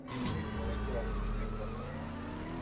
Имаме и повеќе одошто ни е потребно.